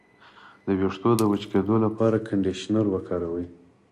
د ویښتو د وچ کیدو لپاره کنډیشنر وکاروئ